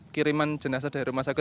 kiriman jenazah dari rumah sakit